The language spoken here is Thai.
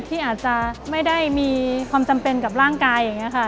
ที่อาจจะไม่ได้มีความจำเป็นกับร่างกายอย่างนี้ค่ะ